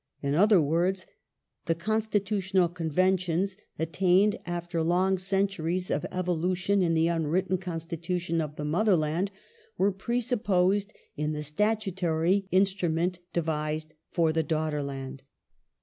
In other words, the Constitutional Conventions, attained after long centuries of evolution in the unwritten constitution of the mother land, were presupposed in the statutory Instrument devised for the daughter land.